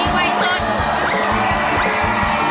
ผ่านไปแล้ว